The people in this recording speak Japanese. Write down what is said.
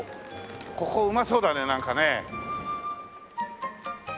ここうまそうだねなんかね。